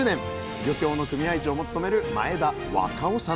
漁協の組合長も務める若男さん。